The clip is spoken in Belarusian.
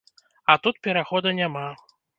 А тут перахода няма.